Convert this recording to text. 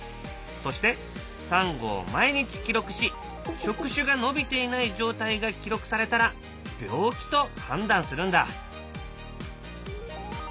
そしてサンゴを毎日記録し触手が伸びていない状態が記録されたら病気と判断するんだ。